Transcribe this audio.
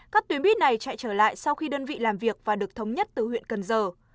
các tuyến buýt này chạy trở lại sau khi đơn vị làm việc và được thống nhất từ huyện cần giờ